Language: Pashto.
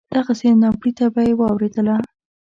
دغسې ناپړېته چې به یې واورېدله.